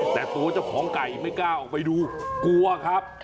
แต่ตัวเจ้าของไก่ไม่กล้าออกไปดูกลัวครับ